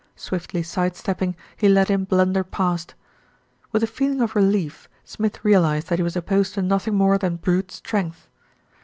Swiftly side stepping, he let him blunder past. With a feeling of relief, Smith realised that he was opposed to nothing more than brute strength.